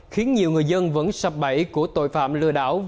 khiến nhiều người dân vẫn sập bẫy của tội phạm lừa đảo